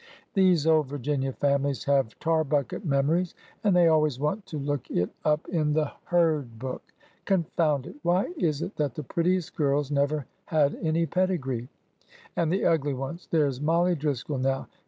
These old Virginia families have tar bucket memories,— and they always want to look it up in the TWO AND TWO ARE FIVE 69 herd book. Confound it ! why is it that the prettiest girls never had any pedigree ? And the ugly ones ! There 's Mollie Driscoll, now.